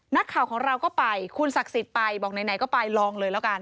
นักข่าวของเราก็ไปคุณศักดิ์สิทธิ์ไปบอกไหนก็ไปลองเลยแล้วกัน